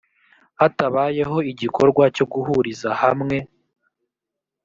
hatabayeho igikorwa cyo guhuriza hamwe